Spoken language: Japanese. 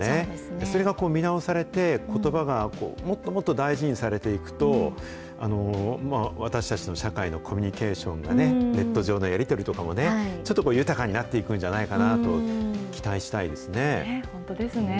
それが見直されて、ことばがもっともっと大事にされていくと、私たちの社会のコミュニケーションがね、ネット上のやり取りとかもね、ちょっと豊かになっていくんじゃな本当ですね。